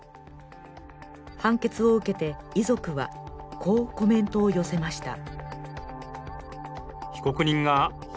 判決を受けて、遺族はこうコメントを寄せました。